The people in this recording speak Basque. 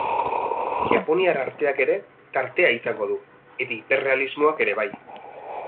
Japoniar arteak ere tartea izango du, eta hiperrealismoak ere bai.